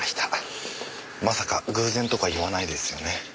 まさか偶然とか言わないですよね？